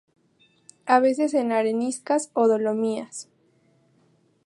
A veces en areniscas o dolomías.